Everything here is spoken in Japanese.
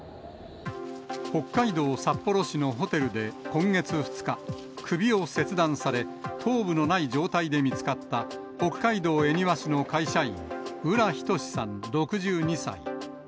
北海道札幌市のホテルで今月２日、首を切断され、頭部のない状態で見つかった、北海道恵庭市の会社員、浦仁志さん６２歳。